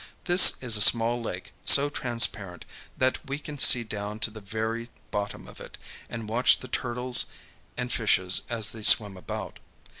This is a small lake so transparent that we can see down to the very bottom of it, and watch the turtles and fishes as they swim about.